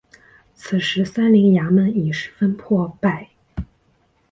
此时三陵衙门已十分破败。